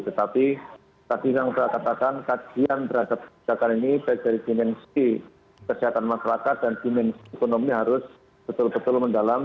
tetapi tadi yang sudah katakan kajian terhadap kebijakan ini baik dari dimensi kesehatan masyarakat dan dimensi ekonomi harus betul betul mendalam